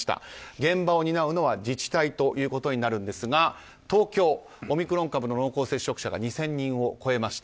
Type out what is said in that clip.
現場を担うのは自治体ということになるんですが東京オミクロン株の濃厚接触者が２０００人を超えました。